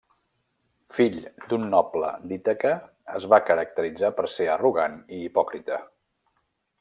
Fill d'un noble d'Ítaca, es va caracteritzar per ser arrogant i hipòcrita.